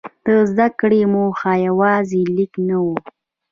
د زده کړې موخه یوازې لیک نه وه.